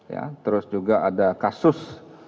ya terus juga ada kasus